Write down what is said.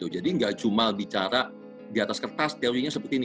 jadi nggak cuma bicara di atas kertas teorinya seperti ini